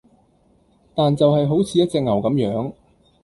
但就係好似一隻牛咁樣